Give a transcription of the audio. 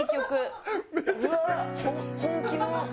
うわっ本気の。